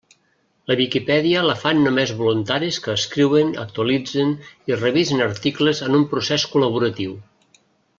La Viquipèdia la fan només voluntaris que escriuen, actualitzen i revisen articles en un procés col·laboratiu.